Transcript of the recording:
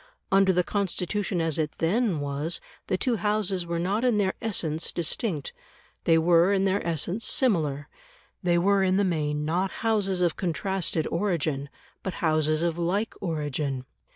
Under the Constitution as it then was the two Houses were not in their essence distinct; they were in their essence similar; they were, in the main, not Houses of contrasted origin, but Houses of like origin.